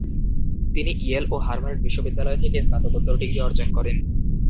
তিনি ইয়েল ও হার্ভার্ড বিশ্ববিদ্যালয় থেকে স্নাতকোত্তর ডিগ্রি অর্জন করেন।